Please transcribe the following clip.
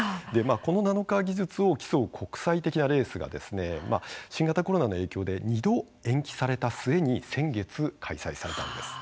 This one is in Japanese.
このナノカー技術を競う国際的なレースがですね新型コロナの影響で２度延期された末に先月、開催されたんです。